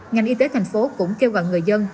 ngành y tế thành phố cũng kêu gọi người dân